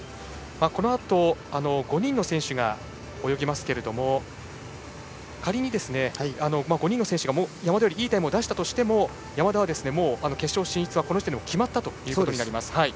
このあと５人の選手が泳ぎますが仮に、５人の選手が山田よりいいタイムを出したとしても山田は決勝進出はこの時点で決まったことになります。